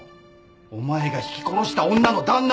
お前がひき殺した女の旦那